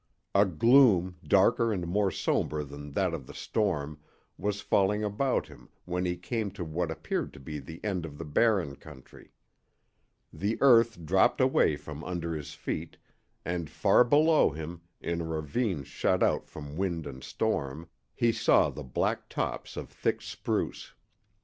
A gloom darker and more somber than that of the storm was falling about him when he came to what appeared to be the end of the Barren country. The earth dropped away from under his feet, and far below him, in a ravine shut out from wind and storm, he saw the black tops of thick spruce.